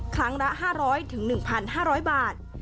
ครั้งละ๕๐๐๑๕๐๐บาท